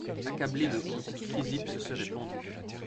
Accablé de honte, Chrysippe se serait pendu.